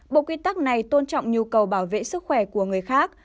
bộ quy tắc này tôn trọng nhu cầu bảo vệ sức khỏe của người khác